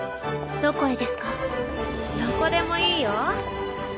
どこでもいいよ？